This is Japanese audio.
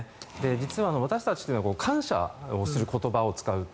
実は私たちというのは感謝をする言葉を言うと